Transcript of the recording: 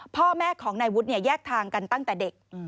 พ่อแม่ของนายวุฒิแยกทางกันตั้งแต่เด็ก